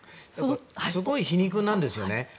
すごい皮肉なんですよね。